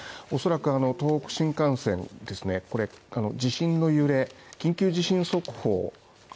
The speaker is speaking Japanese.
おそらく東北新幹線ですねあの地震の揺れ、緊急地震速報